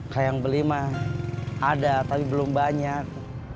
kayak yang beli mah ada tapi belum banyak